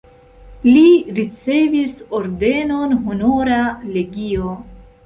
Li ricevis ordenon Honora legio.